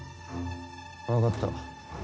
分かった。